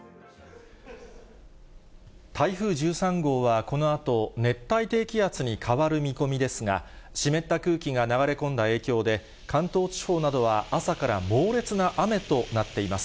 台風１３号は、このあと熱帯低気圧に変わる見込みですが、湿った空気が流れ込んだ影響で、関東地方などは朝から猛烈な雨となっています。